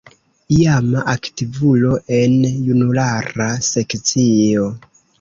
Iama aktivulo en junulara sekcio.